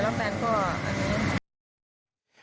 แล้วแฟนก็อันนี้